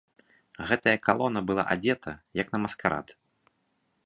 Гэтая калона была адзета, як на маскарад.